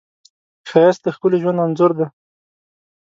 ښایست د ښکلي ژوند انځور دی